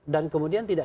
dan kemudian tidak